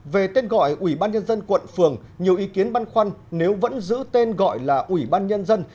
về tên gọi ủy ban nhân dân quận phường nhiều ý kiến băn khoăn nếu vẫn giữ tên gọi là ủy ban nhân dân